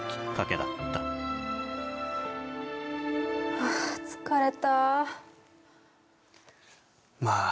あ、疲れた。